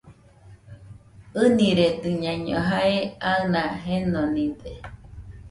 ɨniredɨñaiño jae aɨna jenonide.